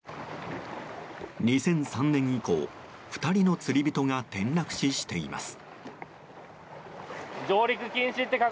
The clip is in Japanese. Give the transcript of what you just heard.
２００３年以降、２人の釣り人が転落死しています。